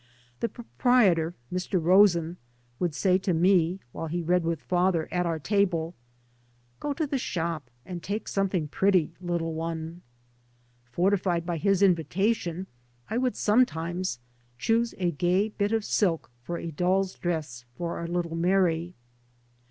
The proprietor, Mr. Rosen, would say to me, while he read with father at our table, " Go to the shop, and take something pretty, little one." Fortified by his invitation I 3 by Google MY MOTHER AND I would sometimes choose a gay bit of silk for a doll's dress for our tittle Mary.